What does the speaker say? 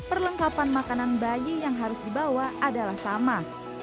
perlengkapan makanan bayi yang harus dibawa adalah sama